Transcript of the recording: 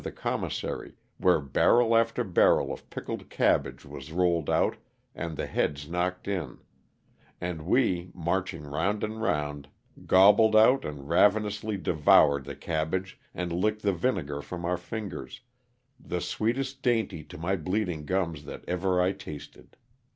115 the Commissary, where barrel after barrel of pickled cabbage was rolled out and the heads knocked in, and we, marching round and round, gobbled out and rav enously devoured the cabbage and licked the vinegar from our fingers, the sweetest dainty to my bleeding gums that ever I tasted.